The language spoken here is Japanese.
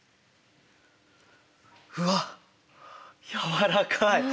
うわっ柔らかい！